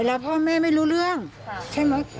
แล้วพ่อแม่ไม่รู้เรื่องใช่ไหม